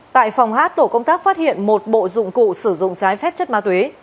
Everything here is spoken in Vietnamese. tại phòng hát tổ công tác phát hiện một bộ dụng cụ sử dụng trái phép chất ma túy